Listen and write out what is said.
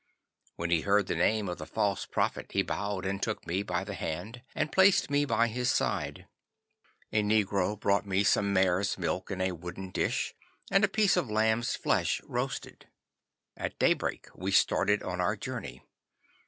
'When he heard the name of the false prophet, he bowed and took me by the hand, and placed me by his side. A negro brought me some mare's milk in a wooden dish, and a piece of lamb's flesh roasted. 'At daybreak we started on our journey.